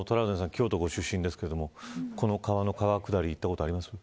京都ご出身ですけどこの保津川の川下りは行ったことありますか。